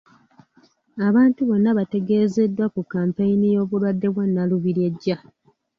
Abantu bonna bategeezeddwa ku Kampeyini y'obulwadde bwa nalubiri ejja.